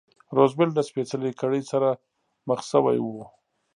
روزولټ له سپېڅلې کړۍ سره مخ شوی و.